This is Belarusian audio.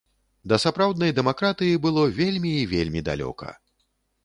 Да сапраўднай дэмакратыі было вельмі і вельмі далёка.